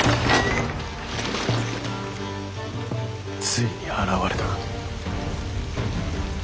ついに現れたか。